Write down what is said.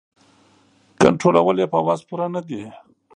کنټرولول یې په وس پوره نه دي.